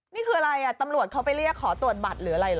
นี่คืออะไรตำรวจเขาไปเรียกขอตรวจบัตรหรืออะไรเหรอ